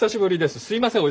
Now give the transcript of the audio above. すいません